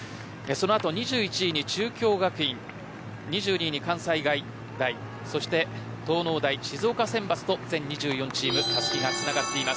２１位に中京学院２２位に関西外大そして、東農大、静岡選抜と全２４チームたすきがつながっています。